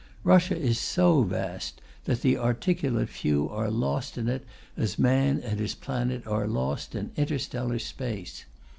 Russia is so vast that the articulate few are lost in it as man and his planet are lost in interstellar space.